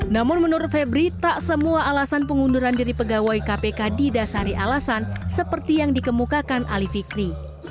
namun menurut febri tak semua alasan pengunduran diri pegawai kpk didasari alasan seperti yang dikemukakan ali fikri